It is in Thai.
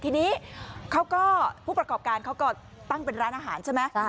ทีนี้เขาก็ผู้ประกอบการเขาก็ตั้งเป็นร้านอาหารใช่ไหม